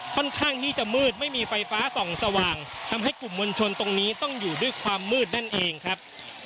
ค่อนข้างที่จะมืดไม่มีไฟฟ้าส่องสว่างทำให้กลุ่มมวลชนตรงนี้ต้องอยู่ด้วยความมืดนั่นเองครับ